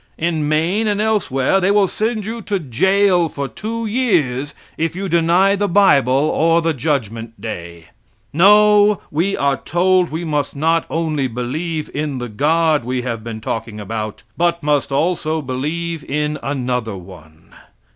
In Maine and elsewhere they will send you to jail for two years if you deny the bible or the judgment day. No, we are told we must not only believe in the God we have been talking about, but must also believe in another one.